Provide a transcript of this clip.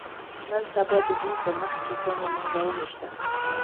نن سبا د دین په مخ کې ګڼې ننګونې شته.